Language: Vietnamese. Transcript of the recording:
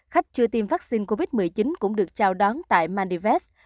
khách chưa tiêm vaccine covid một mươi chín cũng được trao đón tại maldives